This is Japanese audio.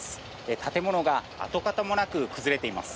建物が跡形もなく崩れています。